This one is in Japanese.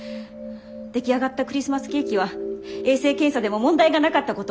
出来上がったクリスマスケーキは衛生検査でも問題がなかったこと。